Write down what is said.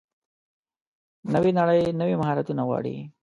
نوې نړۍ نوي مهارتونه غواړي.